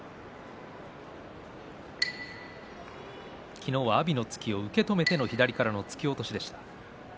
昨日は阿炎の突きを受け止めての左からの突き落としでした。